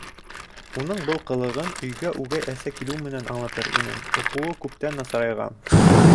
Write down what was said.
Уның был ҡылығын өйгә үгәй әсә килеү менән аңлатыр инең - уҡыуы күптән насарайған.